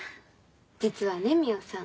実はね海音さん。